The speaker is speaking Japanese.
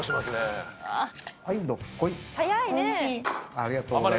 ありがとうございます。